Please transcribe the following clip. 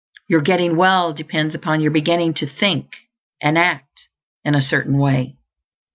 Your getting well depends upon your beginning to think and act in a Certain Way.